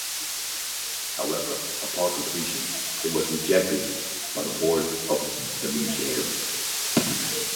However, upon completion, it was rejected by the board of the museum.